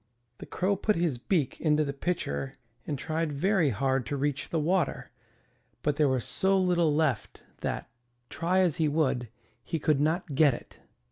The Crow put his beak into the pitcher and tried very hard to reach the water, but there was so little left that, try as he would, he could not get it.